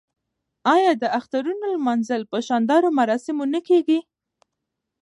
آیا د اخترونو لمانځل په شاندارو مراسمو نه کیږي؟